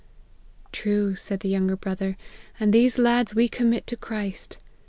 ' True,' said the younger bro ther, ' and these lads we commit to Christ